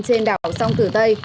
trên đảo sông tử tây